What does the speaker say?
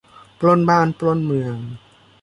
ปล้นบ้านปล้นเมือง